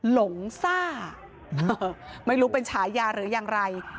หลงซ่าไม่รู้เป็นฉายาหรือยังไร